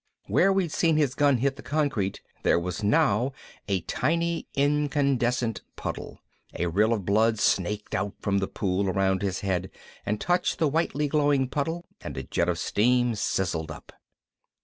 Where we'd seen his gun hit the concrete there was now a tiny incandescent puddle. A rill of blood snaked out from the pool around his head and touched the whitely glowing puddle and a jet of steam sizzled up.